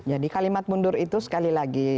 jadi kalimat mundur itu sekali lagi